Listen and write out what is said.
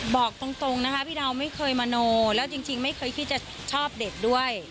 บอกตรงนะคะพี่ดาวไม่เคยมโนแล้วจริงไม่เคยคิดจะชอบเด็กด้วย